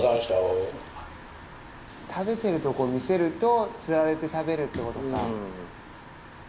食べてるとこ見せると釣られて食べるってことか。